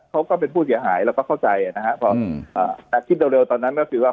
เขาก็เป็นผู้เสียหายเราก็เข้าใจนะฮะพอคิดเร็วตอนนั้นก็คือว่า